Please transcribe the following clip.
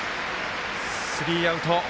スリーアウト。